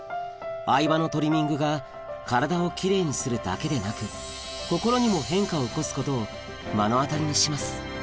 相葉のトリミングが体を奇麗にするだけでなく心にも変化を起こすことを目の当たりにします